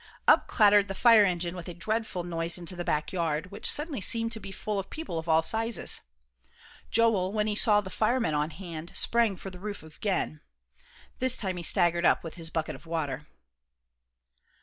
Up clattered the fire engine with a dreadful noise into the back yard, which suddenly seemed to be full of people of all sizes. Joel, when he saw the firemen on hand, sprang for the roof again. This time he staggered up with his bucket of water.